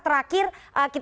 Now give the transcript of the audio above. terakhir kita ingin memastikan